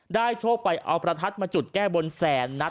โชคไปเอาประทัดมาจุดแก้บนแสนนัด